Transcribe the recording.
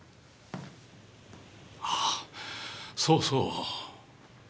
あーそうそう。